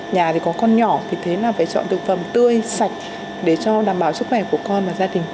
nhà thì có con nhỏ vì thế là phải chọn thực phẩm tươi sạch để cho đảm bảo sức khỏe của con và gia đình